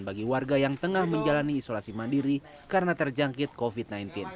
bagi warga yang tengah menjalani isolasi mandiri karena terjangkit covid sembilan belas